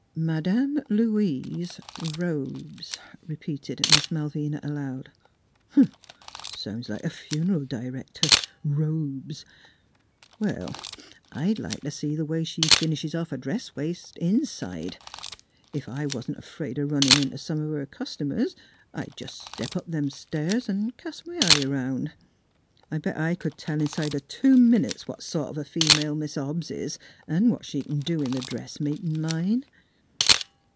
" Mad am Loo ise : Robes," repeated Miss Malvina aloud. " Huh ! Sounds like a fun'ral d'rector. ... Robes ! Well, I'd like t' see th' way she finishes off a dress waist inside. Ef I wa'n't 'fraid o' runnin' int' some o' her cust'mers, I'd jes' step up them stairs an' cast m' eye 'round. I'll bet I'd c'd tell inside o' two minutes what sort of a female Mis' Hobbs is 'n' what she c'n do in th' dressmakin' line."